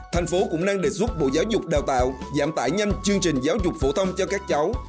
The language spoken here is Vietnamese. thành phố cũng đang đề xuất bộ giáo dục đào tạo giảm tải nhanh chương trình giáo dục phổ thông cho các cháu